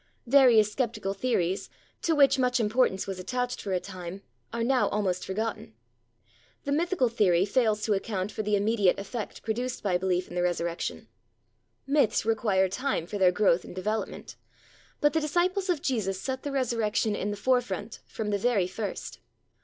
Various sceptical theories, to which much importance was attached for a time, are now almost forgotten. The Mythical theory fails to account for the immediate effect produced by belief in the Resurrection. Myths require time for their growth and development, but the disciples of Jesus set the Resurrection in the forefront from the very first.